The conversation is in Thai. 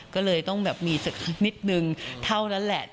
ก็เลยต้องแบบมีสักนิดนึงเท่านั้นแหละ